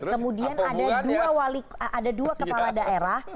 kemudian ada dua kepala daerah